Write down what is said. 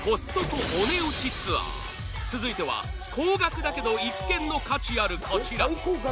続いては高額だけど一見の価値あるこちら